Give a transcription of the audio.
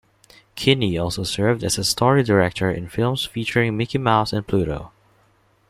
Kinney also served as a story director in films featuring Mickey Mouse and Pluto.